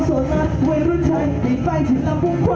หยุดมีท่าหยุดมีท่า